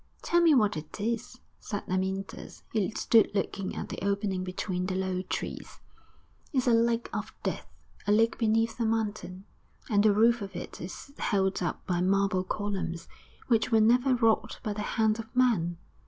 'Tell me what it is,' said Amyntas. He stood looking at the opening between the low trees. 'It is a lake of death a lake beneath the mountain and the roof of it is held up by marble columns, which were never wrought by the hand of man.